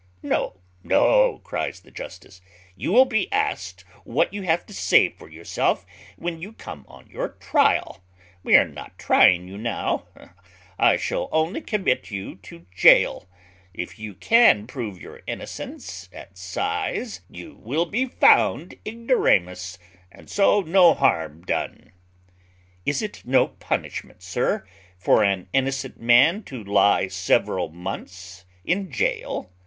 "No, no," cries the justice, "you will be asked what you have to say for yourself when you come on your trial: we are not trying you now; I shall only commit you to gaol: if you can prove your innocence at size, you will be found ignoramus, and so no harm done." "Is it no punishment, sir, for an innocent man to lie several months in gaol?"